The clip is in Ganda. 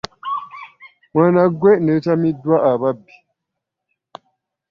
mwana ggwe nneetamiddwa ababbi!